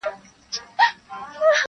د جرگې به يو په لس پورته خندا سوه-